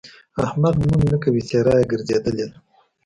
احمد لمونځ نه کوي؛ څېره يې ګرځېدلې ده.